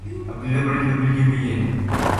Ɓiroowo waddi ɓirdude fagiri kecce.